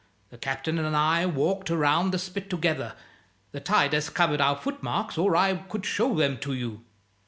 The Captain and I walked around the spit together the tide has covered our footmarks or I could show 'em to you."